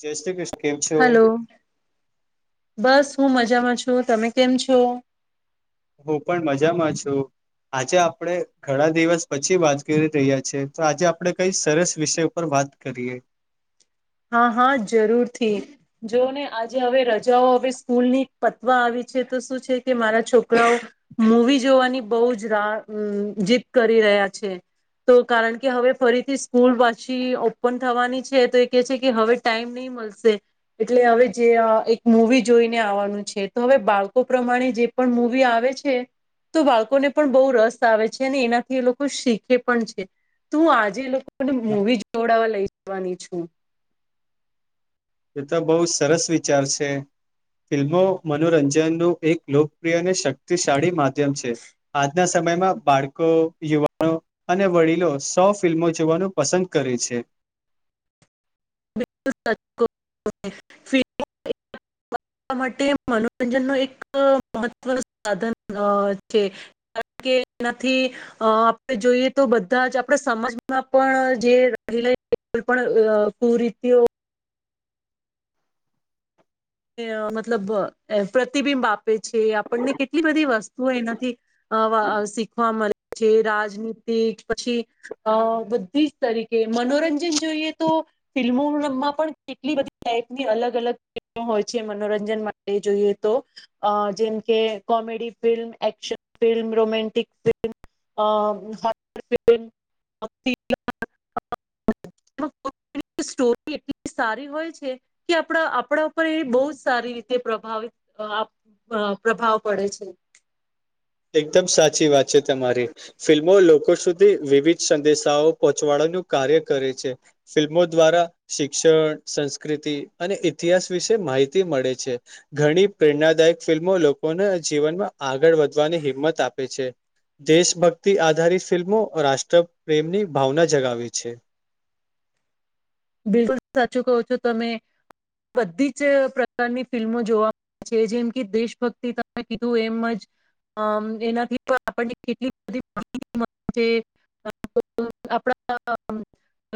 હ જ કશ કેમ છ. હલો બસ હું મજામાં છું તમે કેમ છો. હું પણ મજામાં છું. આજે આપડે ઘણા દિવસ પછી વાત કરી રહ્યા છીએ તો આજે આપડે કઈ સરસ વિષય ઉપર વા. બાત કરીએ. હા હા જરૂરથી જો ને આજે હવે રજાઓ હવે સ્કૂલ ની પતવા આવી. શ છે કે મારા છોકરાઓ મવી જોવાની બ જ રા જીદ કરી. તો કારણ કે હવે ફરીથી સ્કૂલ પાછી ઓપન થવાની છે તો. કે હવે ટાઈમ નહી મળશે એટલે હવે જે એક મવી જોઈને આવવાનું છે તો હવે. બાળકો પ્રમાણે જે પણ મુૂવી આવે છે. તો બાળકોને પણ બહુ રસ આવે છે અને એનાથી એ લોકો શીખે પણ છે તો હું આજે એ લોકો. અનેને મૂવી જોડાાવવા લઈ જવાની છું. એ તો બહુ સરસ વિચાર છે. ફિલ્મો મનોરંજનનું એક લોકપ્રિય અને શક્તિશાળી માધ્યમ છે આજના સમય સમયમાં બાળકો, યુવાનો અને વડીલો સૌ ફિલ્મો જોવાનું પસંદ કરે છે. ફ [unintelligible] [unintelligible] માટે મનોરંજન નો એક મહત્વ સાધન અ છે. કેનાથી આપણે જોઈએ તો બધા જ આપણા સમાજમાં પણ જે એટલે કોઈ પણ કરીતિઓ. મતલબ પ્રતિબિંબ આપે છે, આપણને કેટલી બધી વસ્તુ એનાથી. અવ શીખવા મળે છે, રાજનીતિક પછી અ બુદ્ધિ તરીકે મનોરંજન જોઈએ, તો ફિલ્મોમાં પણ કેટલી બધી ટાઈપની અલગ અલગ. હોય છે મનોરંજન માટે જોઈએ તો જેમ કે comedy film, action film romantic, film અ ફિલ્મ [unintelligible] [unintelligible] સોરી એટલી સારી હોય છે કે આપણા આપણા. પણ એ બહુ જ સારી રીતે પ્રભાવિત અ પ્રભાવ પડે છે. એકદમ સાચી વાત છે તમારી ફિલ્મો લોકો સુધ વિવિધ સંદેશાઓ પહોંચાડવાનું કાર્ય કરે છે, ફિલ્મો દ્વારા શિક્ષણ સંસ્કૃતિ અને ઇતિહાસ વિશે માહિતી મળે છે, ઘણી પ્રેરણાદાયક ફિલ્મો લોકો લોકોને જીવનમાં આગળ વધવાની હિંમત આપે છે. દેશભક્તિ આધારિત ફિલ્મો રાષ્ટ્ર પ્રેમની ભાવના જગાવે છે. [inaudible] બિલકુલ સાચું કહો છો તમે બધી જ પ્રકારની ફિલ્મો જોવા છે, જેમ કે દેશભક્તિ તમે કીધું એમ જમ એનાથી પણ આપણને કેટલી બધી [unintelligible] આપડા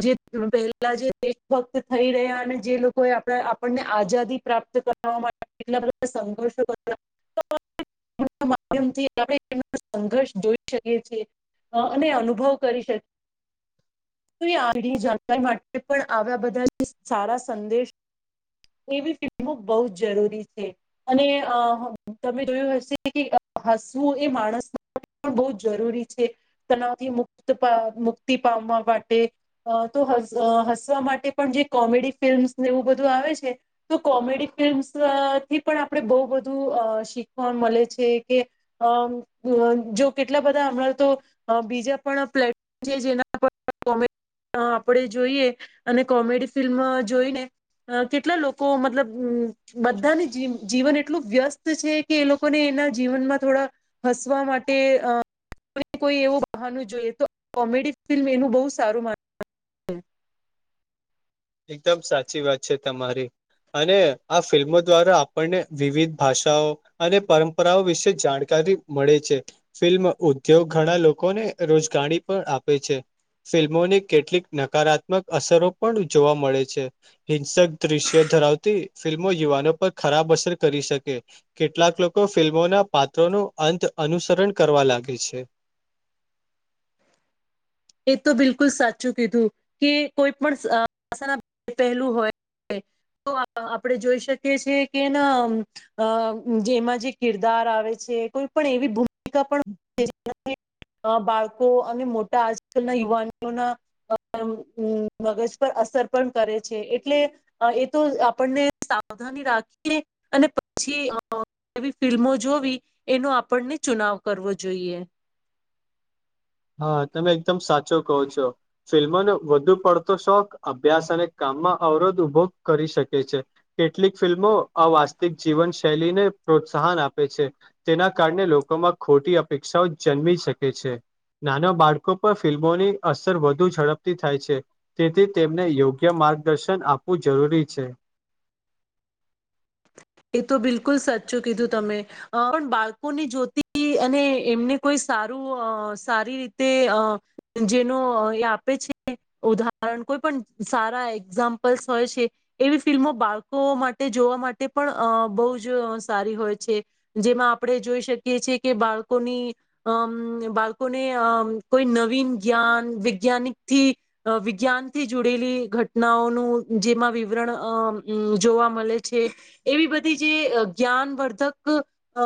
જે [unintelligible] પેલા જે દેશભક્ત થઈ રહ્યા અને જે લોકોએ આપણે આપણને આઝાદી પ્રાપ્ત કરવા માટે અ સંઘર્ષ [unintelligible] [inaudible] [unintelligible] આપણે એ સંઘર્ષ જોઈ શકીએ છીએ. અને અનુભવ કરી શ આજ જાણકાર માટે. પણ આવ્યા બધાની સારા સંદેશ એવી ફિલ્મો બઉ જ જરૂરી છે અને તમે જોયું હશે કે અ હસવું એ માણસ ન પણ બો જરૂરી છે તણાવથી મુક્ત મુક્તિ પામવા માટે તો હશ અ હસવા માટે પણ જે કોમેડી ફિલ્મ્સને એવું બધું આવે છે તો કોમેડી ફિલ્મ્સ અ થી પણ આપણે બઉ બધું અ શીખવા મળે છે કે અ જો કેટ એટલા બધા હમણાં તો બીજા પણ પ્લેટફોર્મ છે [unintelligible] જેના કોમે આપડે જોઈએ અને કોમેડી ફિલ્મ જોઈને કેટલા લોકો મતલબ અમ બધાની જીવન એ એટલું વ્યસ્ત છે કે એ લોકોને એના જીવનમાં થોડા હસવા માટે અ કોને કોઈ એવું બહાનું જોઈએ તો આ કોમેડી ફિલ્મ એનું બહુ સારું માન [unintelligible] એકદમ સાચી વાત છે તમારી. અને આ ફિલ્મો દ્વારા આપણને વિવિધ ભાષાઓ અને પરંપરાઓ વિશે જાણકાર રી મળે છે, ફિલ્મ ઉદ્યોગ ઘણા લોકોને રોજગારી પણ આપે છે. ફિલ્મોને કેટલીક નકારાત્મક અસરો પણ જોવા મળે છે, હિંસક દ્રશ્ય ધરાવતી ફિલ્મો યુવાનો પર ખરાબ અસર કરી શકે કેટલાક લોકો ફિલ્મોના પાત્રો નો અંત અનુસરણ કરવા લાગે છે. [inaudible] એ તો બિલકુલ સાચું કીધું કે કોઈ પણ અ ભાષા પહેલું હોય. [inaudible] તો આપડે જોઈ શકીએ છેએ કે ના અ અ જેમાં જે કિરદાર આવે છે. કોઈ પણ એવી ભૂમિકા પણ ભજવે જ્યારે બાળકો અને મોટા. નઈ યુવાનીઓના અ ઉ મગજ પર અસર પણ કરે છે એટલે એ તો આપણને સાવધાની રાખીએ. અને પછી અ અ એવી ફિલ્મો જોવી એનો આપણને ચુનાવ કરવો જોઈએ. હા તમે એકદમ સાચો કહો છો ફિલ્મોને વધુ પડતો શોખ અભ્યાસ અને કામ. અવરોધ ઉભો કરી શકે છે, કેટલીક ફિલ્મો અવાસ્તિક જીવન શૈલીને પ્રોત્સાહન આપે છે, તેના કારણે લોકોમાં ખોટી અપેક્ષાઓ જન્મી શકે છે. નાના બાળકો પર ફિલ્મોની અસર વધુ ઝડપથી થાય છે, તેથી તેમને યોગ્ય માર્ગદર્શન આપવું જરૂરી છે. એ તો બિલકુલ સાચું કીધું તમે પણ બાળકોની જોતિ અને એમને કોઈ સારું સારી રીતે જેનું આપે છે, ઉદાહરણ કોઈ પણ સારા એક્ઝામ્પલ્સ હોય છે, એવી ફિલ્મો બાળકો માટે જોવા માટે પણ અ બહુ જ સારી હોય છે, જેમાં આપણે જોઈ શકીએ છીએ કે બાળકોની અમ બાળકોને અમ કોઈ નવીન જ્ઞાન વૈજ્ઞાનિકથી વિજ્ઞાન થી જોડેલી ઘટનાઓનું જેમાં વિવરણ અમ જોવા મળે છે. એવી બધી જે જ્ઞાનવર્ધક અ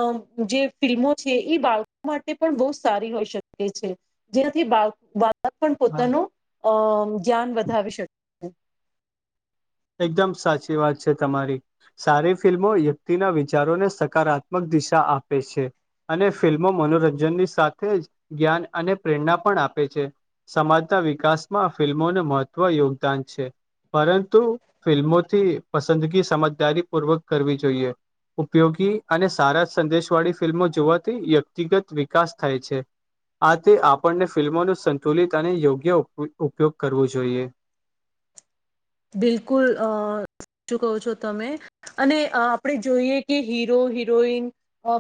જે ફિલ્મો છે, એ બાળકો માટે પણ બઉ સારી હોય શકે છે, જેથી બળ બા પણ હા પોતાનું અ જ્ઞાન વધાવી શકે. એકદમ સાચ એ વાત છે તમારી સારી ફિલ્મો વ્યક્તિના વિચારોને સકારાત્મક દિશા આપે છે. અને ફિલ્મો મનોરંજનની સાથે જ જ્ઞાન અને પ્રેરણા પણ આપે છે. સમાજના વિકાસમાં ફિલ્મોનું મહત્વ યોગદાન છે, પરંતુ ફિલ્મોથી પસંદગી સમજદારી પૂર્વક કરવી જોઈએ. ઉપયોગી અને સારા સંદેશવાળી ફિલ્મો જોવાથી વ્યક્તિગત વિકાસ થાય છે. આથી આપણને ફિલ્મોનું સંતુલિત અને યોગ્ય ઉપયોગ કરવો જોઈએ. [unintelligible] બિલકુલ અ શું કહો છો, તમે અને આપણે જોઈએ કે હીરો હિરોઈન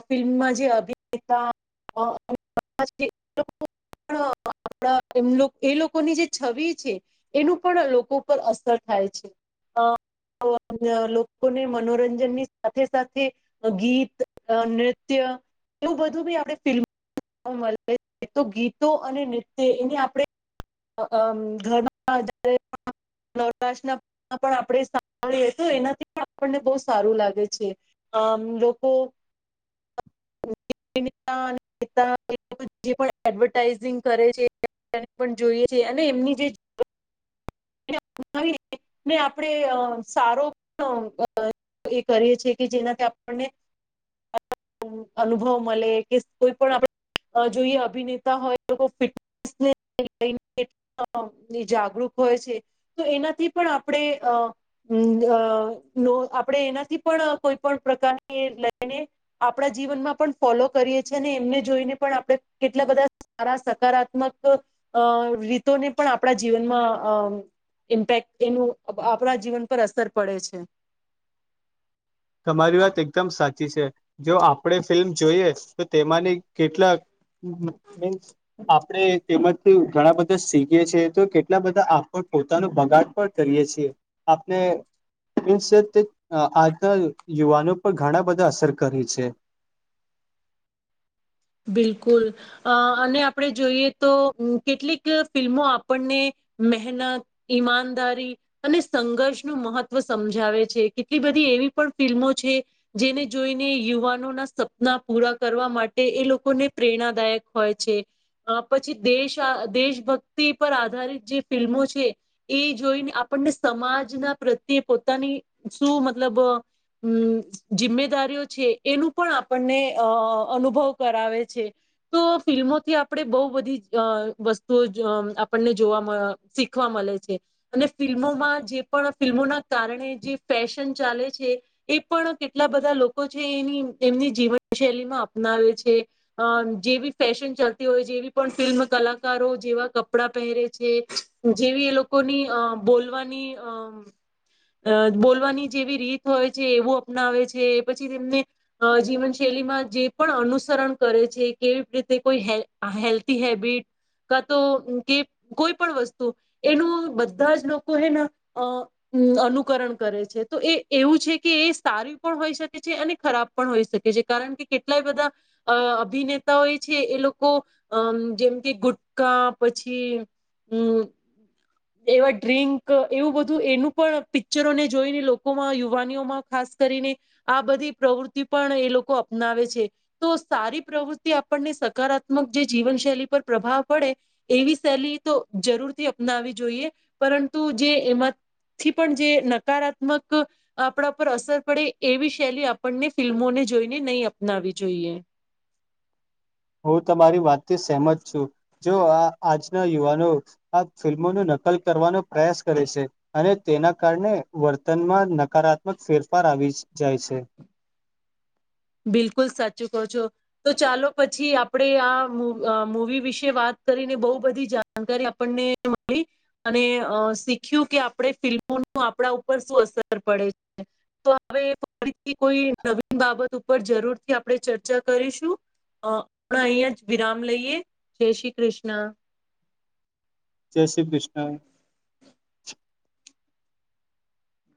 ફિલ્મમાં ત જે અભિનેતા પણ [unintelligible] આપણા એમ એ લોકોની જે છવિ છે, એનું પણ લોકો પર અસર થાય છે. લોકોને મનોરંજન ની સાથે સાથે ગીત નૃત્ય એવું બધું બી આપણે ફિલ્મ તો ગીતો અને નૃત્ય એને આપણે અમ ઘરમાં પ્રશ્ર્ન પણ આપણે સાંભળીએ તો એનાથી પણ આપણને બહ સારું લાગે છે, અમ લોકો જે એડવર્ટાઈઝિંગ કરે છે, તેને જોઈએ. જે અને એમની જે [unintelligible] ને આપણે સારો પણ એ કરીએ કે જેનાથી આપણને- અનુભવ મળે કે કોઈ પણ આપડે. જોઈએ અભિનેતા હોય લોકો ને જાગૃત હોય છે, તો એનાથી પણ આપણે અ આપણે એનાથી પણ કોઈ પણ પ્રકારની લઈને આપણા જીવનમાં પણ ફોલો કરીએ છીએ, અને એમને જોઈને પણ કેટલા બધા સારા સકારાત્મક અ રીતોને પણ આપણા જીવનમાં અ ઇમ્પેક્ટ એનું આપણા જીવન પર અસર પડે છે. [unintelligible] તમારી વાત એકદમ સાચી છે, જો આપણે ફિલ્મ જોઈએ તો તેમાંની કેટલાક મીસ આપણેે તેમમાં જ ઘણા બધા શીખીએ છીએ તો કેટલા બધા આપ પોતાનો બગાડ પણ કરીએ છીએ, આપણે આજ યુવાનો પર ઘણા બધા અસર કરી છે. બિલકુલ અને આપણે જોઈએ તો કેટલીક ફિલ્મો આપણને મહેનત ઈમાનદારી અને સંઘર્ષ નું મહત્વ સમજાવે છે, કેટલી બધી એવી પણ ફિલ્મો છે, જેને જોઈને યુવાનો ના સપના પૂરા કરવા માટે તે એ લોકોને પ્રેરણાદાયક હોય છે, પછી દેશા દેશભક્તિ પર આધારિત જે ફિલ્મો છે, એ જોઈને આ આપણને સમાજના પ્રત્યે પોતાની શું મતલબ હમ્મ, જિમ્મેદારીઓ છે એનું પણ આપણને અ અનુભવ કરાવે છે, તો ફિલ્મોથી આપણે બો બધી વસ્તુઓ આપણને જોવા શીખવા મલે છે, અને ફિલ્મોમાં જે પણ ફિલ્મોના કારણે જે ફેશન ચાલે છે, એ પણ કેટલા બધા લોકો છે એની તેમની જીવનશૈલીમાં અપનાવે છે. અ જેવી ફેશન ચાલતી હોય જેવી પણ ફિલ્મ કલાકારો જેવા કપડા પેહરે છે, જેવી એ લોકોની અ બોલવાની અ અ બોલવાની જેવી રીત હોય છે, એવું અપનાવે છે પછી તેમને અ જીવનશૈ તેમાં જે પણ અનુસરણ કરે છે. કેવી રીતે કોઈ હેલ્થી હેબિટ કાતો કે કોઈ પણ વસ્તુ એનું બધાં જ લોકો હેના અ અનુકરણ કરે છે તોએ એવું છેકે એ સારું પણ હોઈ શકે છે અને ખરાબ પણ હોઈ શકે. કારણ કે કેટલાય બધાં. અ અભિનેતાઓ એ છે એ લોકો અમ જેમ કે ગુટકા પછી હમ. એવા ડ્રિંક એવું બધું એનું પણ પિક્ચરોને જોઈને લોકોમાં યુવાનીઓમાં ખાસ કરીને આ બધી પ્રવૃત્તિ પણ એ લોકો અપનાવે છે, તો સારી પ્રવૃત્તિ આપણને સકારાત્મક જે જીવનશૈલી પર પ્રભાવ પડે એવી શૈલી તો જરૂરથી અપનાવી જોઈએ પરંતુ જે એમાં થી પણ જે નકારાત્મક આપરા પર અસર પડે એવી શૈલી આપણને ફિલ્મોને જોઈને નય અપનાવી જોઈએ, [inaudible] હું તમારી વાતથી સેહમત છું, જો આ આજના યુવાનો આ ફિલ્મોનું નકલ કરવાનો પ્રયાસ કરે છે, અને તેના કારણે વર્તનમાં નકારાત્મક ફેરફાર આ આવી જાય છે, બિલકુલ સાચું કહો છો. તો ચાલો પછી આપરે આ મુવી વિશે વાત કરીને બો બધી જાણકારી આપણને મળી અને શીખ્યું કે આપણે ફિલ્મો આપરા ઉપર શું અસર પડે છે, તો હવે ફરીથી કોઈ નવીન બાબતો ઉપર જરૂરથી આપરે ચર્ચા કરીશું. અ આપરે અહીયાં જ વિરામ લઈએ જય શ્રી કૃષ્ણા. જય શ્રી કૃષ્ણા.